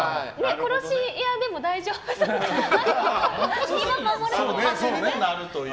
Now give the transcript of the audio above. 殺し屋でも大丈夫そう。